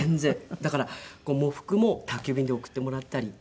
だから喪服も宅急便で送ってもらったりって。